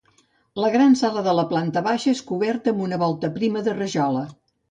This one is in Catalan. La gran sala de la planta baixa és coberta amb volta prima de rajola.